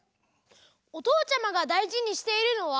おとうちゃまがだいじにしているのは？